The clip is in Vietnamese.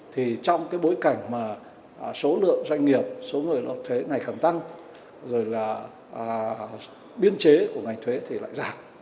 thì trong bối cảnh số lượng doanh nghiệp số người nộp thuế ngày khẳng tăng biên chế của ngày thuế lại giảm